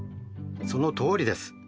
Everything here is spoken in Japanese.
そのとおりです。